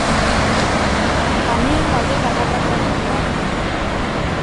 Kamioi batek harrapatu du behargina.